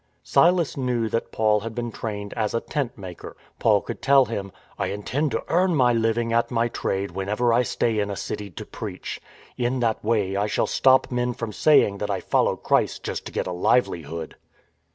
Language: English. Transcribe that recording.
Silas knew that Paul had been trained as " a tent maker." Paul could tell him, " I intend to earn my living at my trade whenever I stay in a city to preach. In that way I shall stop men from saying that I follow Christ just to get a livelihood."